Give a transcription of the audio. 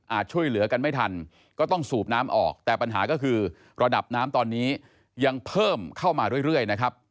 ช่วยเหลือกันไม่ทันก็ต้องสูบน้ำออกแต่ปัญหาก็คือระดับน้ำตอนนี้ยังเพิ่มเข้ามาเรื่อยนะครับ